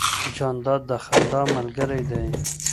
جانداد د خندا ملګری دی.